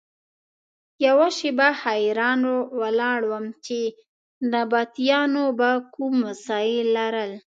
یوه شېبه حیران ولاړ وم چې نبطیانو به کوم وسایل لرل.